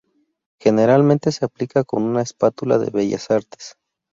Generalmente se aplica con una espátula de bellas artes.